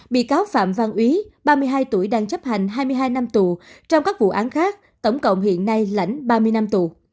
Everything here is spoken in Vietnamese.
bị cáo phạm văn úy ba mươi hai tuổi đang chấp hành hai mươi hai năm tù trong các vụ án khác tổng cộng hiện nay lãnh ba mươi năm tù